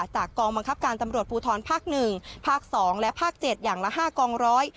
กองบังคับการตำรวจภูทรภาค๑ภาค๒และภาค๗อย่างละ๕กองร้อย